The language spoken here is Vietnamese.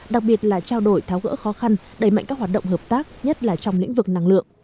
đặc biệt là trao đổi tháo gỡ khó khăn đẩy mạnh các hoạt động hợp tác nhất là trong lĩnh vực năng lượng